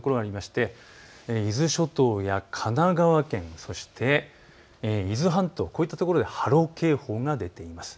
大しけの所があって伊豆諸島や神奈川県、そして、伊豆半島、こういったところでは波浪警報が出ています。